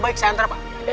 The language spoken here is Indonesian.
baik saya hantar pak